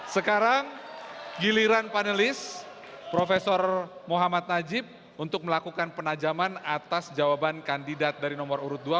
sekarang giliran panelis prof muhammad najib untuk melakukan penajaman atas jawaban kandidat dari nomor urut dua